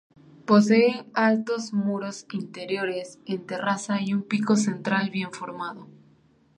Posee altos muros interiores en terraza y un pico central bien formado.